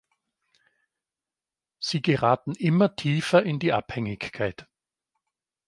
Sie geraten immer tiefer in die Abhängigkeit.